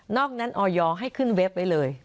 อกนั้นออยให้ขึ้นเว็บไว้เลย